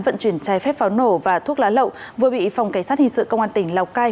vận chuyển trái phép pháo nổ và thuốc lá lậu vừa bị phòng cảnh sát hình sự công an tỉnh lào cai